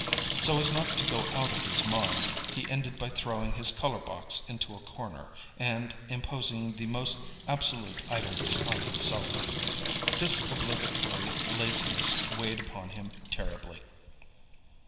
So as not to go out of his mind, he ended by throwing his colour box into a corner, and imposing the most absolute idleness on himself. This obligatory laziness weighed upon him terribly.